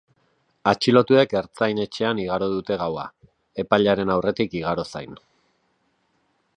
Atxilotuek ertzain-etxean igaro dute gaua, epailearen aurretik igaro zain.